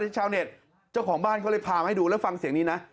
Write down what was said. ชาวเน็ตเจ้าของบ้านเขาเลยพามาให้ดูแล้วฟังเสียงนี้นะ